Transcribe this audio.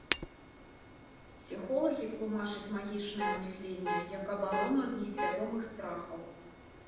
Псіхолагі тлумачаць магічнае мысленне як абарону ад несвядомых страхаў.